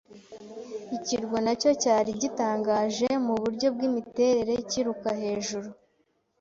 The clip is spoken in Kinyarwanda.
ikirwa, nacyo cyari gitangaje muburyo bwimiterere, kiruka hejuru